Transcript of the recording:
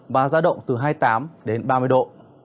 và ra động từ hai mươi tám đến ba mươi độ